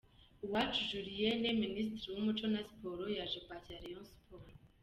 Uwacu Julienne Minisitiri w'umuco na Siporo yaje kwakira Rayon Sports.